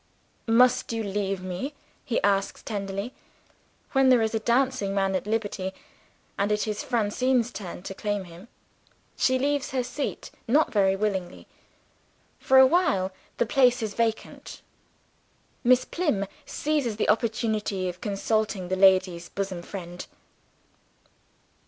"Must you leave me?" he asks tenderly, when there is a dancing man at liberty, and it is Francine's turn to claim him. She leaves her seat not very willingly. For a while, the place is vacant; Miss Plym seizes the opportunity of consulting the ladies' bosom friend.